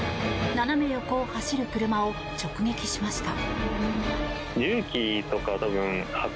斜め横を走る車を直撃しました。